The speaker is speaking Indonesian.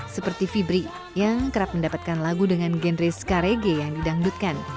seperti fibri yang kerap mendapatkan lagu dengan genre skarege yang didangdutkan